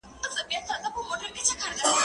زه مخکي سندري اورېدلي وې؟